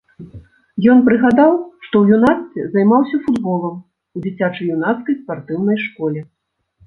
Ён прыгадаў, што ў юнацтве займаўся футболам у дзіцяча-юнацкай спартыўнай школе.